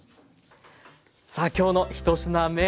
さあ今日の１品目